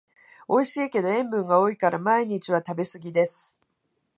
おいしいけど塩分が多いから毎日は食べすぎです